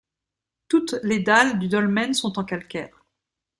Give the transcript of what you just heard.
Toutes les dalles du dolmen sont en calcaire.